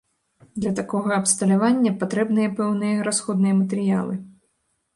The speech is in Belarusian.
Для такога абсталявання патрэбныя пэўныя расходныя матэрыялы.